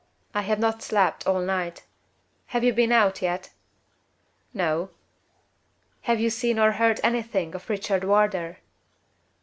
I have not slept all night. Have you been out yet?" "No." "Have you seen or heard anything of Richard Wardour?"